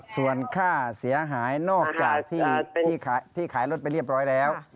ส่วนค่าเสียหายนอกจากที่ขายรถไปเรียบร้อยแล้ว